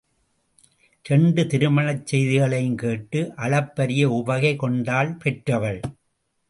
இரண்டு திருமணச் செய்திகளையும் கேட்டு அளப்பரிய உவகை கொண்டாள் பெற்றவள்.